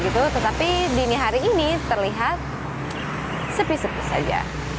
tetapi di hari ini terlihat sepisipi saja